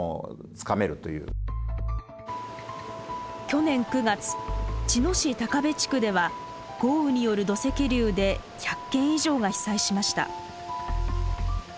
去年９月茅野市高部地区では豪雨による土石流で１００軒以上が被災しました。